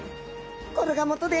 これがもとで。